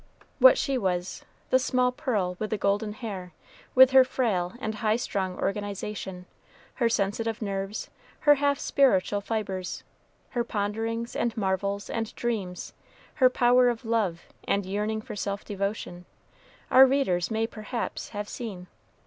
What she was, the small pearl with the golden hair, with her frail and high strung organization, her sensitive nerves, her half spiritual fibres, her ponderings, and marvels, and dreams, her power of love, and yearning for self devotion, our readers may, perhaps, have seen.